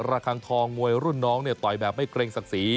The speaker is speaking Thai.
ระคังทองมวยรุ่นน้องเนี่ยต่อยแบบไม่เกรงศักดิ์ศรี